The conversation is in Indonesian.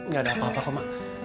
gak ada apa apa kok mak